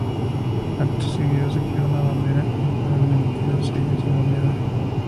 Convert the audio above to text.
Acto seguido se creó una bandera y fueron emitidos sellos y moneda.